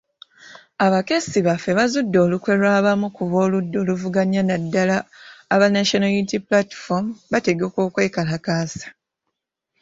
Abakessi baffe bazudde olukwe lw'abamu ku b'oludda oluvuganya naddala aba National Unity Platform, bategeka okwekalakaasa.